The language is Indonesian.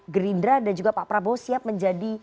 gerindra dan juga pak prabowo siap menjadi